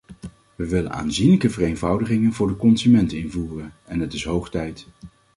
Wij willen aanzienlijke vereenvoudigingen voor de consument invoeren, en het is hoog tijd.